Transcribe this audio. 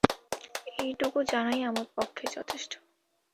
এইটুকু জানাই আমার পক্ষে যথেষ্ট।